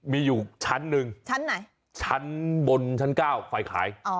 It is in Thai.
มีอยู่ชั้นหนึ่งชั้นไหนชั้นบนชั้นเก้าไฟขาย